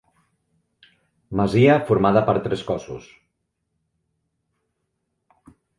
Masia formada per tres cossos.